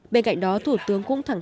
bên cạnh đó thủ tướng cung thắng